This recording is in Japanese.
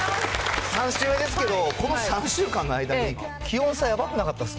３週ですけど、この３週間の間に、気温差やばくなかったです